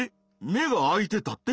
目があいてたって？